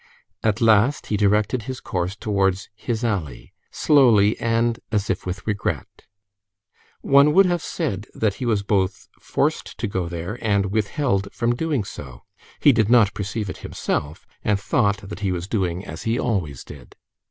At last he directed his course towards "his alley," slowly, and as if with regret. One would have said that he was both forced to go there and withheld from doing so. He did not perceive it himself, and thought that he was doing as he always did.